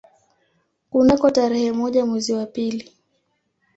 Kunako tarehe moja mwezi wa pili